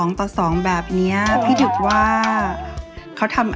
พี่ถึกจ้าชายหญิงอยู่ในห้องด้วยกันซะ